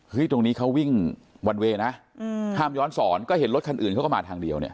ตรงนี้เขาวิ่งวันเวย์นะห้ามย้อนสอนก็เห็นรถคันอื่นเขาก็มาทางเดียวเนี่ย